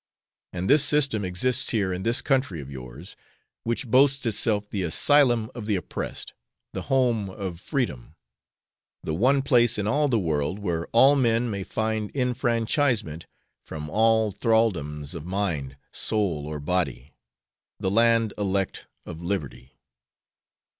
And this system exists here in this country of your's, which boasts itself the asylum of the oppressed, the home of freedom, the one place in all the world where all men may find enfranchisement from all thraldoms of mind, soul, or body the land elect of liberty.